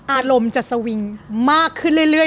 อารมณ์จะสวิงมากขึ้นเรื่อย